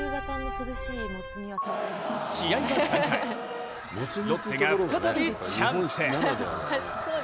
試合は３回、ロッテが再びチャンス。